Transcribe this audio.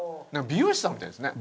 美容師さんみたいですね。